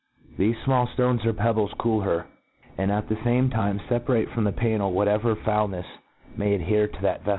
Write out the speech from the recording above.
Thefe fmall ftones or pebbles cool her, and at the fame time feparate from the'i^mnel whatever foul« neis may adhere to that vefiel.